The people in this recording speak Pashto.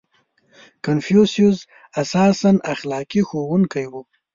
• کنفوسیوس اساساً اخلاقي ښوونکی و.